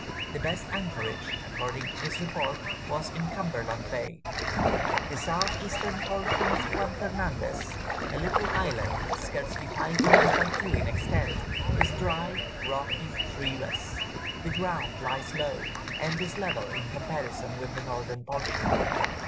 The best anchorage, according to his report, was in Cumberland Bay. The south eastern portion of Juan Fernandez, a little island scarcely five leagues by two in extent, is dry, rocky, treeless; the ground lies low, and is level in comparison with the northern portion.